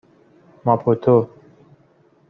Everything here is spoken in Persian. ماپوتو